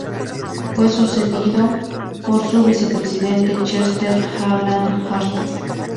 Fue sucedido por su vicepresidente, Chester Alan Arthur.